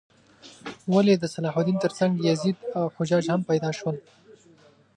ولې د صلاح الدین تر څنګ یزید او حجاج هم پیدا شول؟